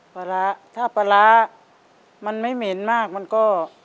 ปลาร้าถ้าปลาร้ามันไม่เหม็นมากมันก็